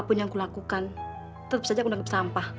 apapun yang kulakukan tetap saja aku nangkep sampah